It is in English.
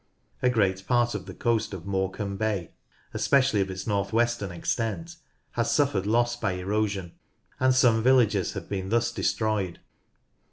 A great part of the coast of Morecambe Bay (especially of its north western extent) has suffered loss by erosion, and some villages have been thus destroyed.